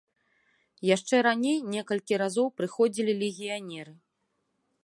Яшчэ раней некалькі разоў прыходзілі легіянеры.